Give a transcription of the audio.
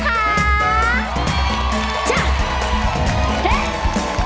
ใจรองได้ช่วยกันรองด้วยนะคะ